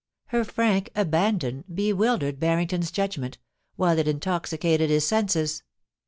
Her frank abandon bewildered Harrington's judgment, while it intoxicated his senses.